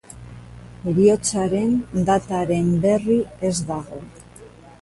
Heriotzaren dataren berri ez dago.